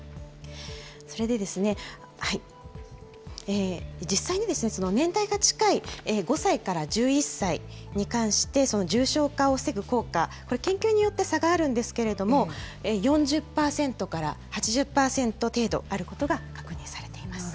それで、実際に年代が近い５歳から１１歳に関して、重症化を防ぐ効果、これ、研究によって差があるんですけれども、４０％から８０％程度あることが確認されています。